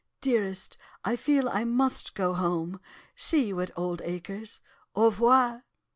'Dearest, I feel I must go home. See you at Oldacres. Au revoir.